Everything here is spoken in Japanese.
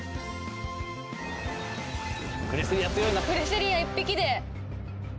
クレセリア１匹で。